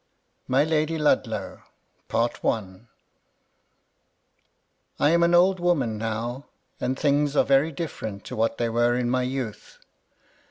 MY LADY LUDLOW, CHAPTER L I AM an old woman now, and things are very diflFerent to what they were in my youth.